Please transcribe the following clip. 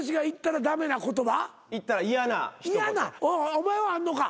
お前はあんのか？